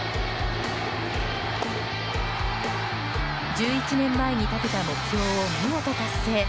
１１年前に立てた目標を見事達成。